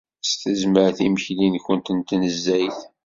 S tezmert imekli-nwent n tnezzayt.